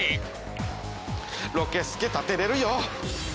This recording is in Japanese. ロケスケ立てれるよ。